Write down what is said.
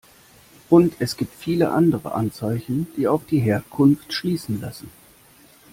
Und es gibt viele andere Anzeichen, die auf die Herkunft schließen lassen.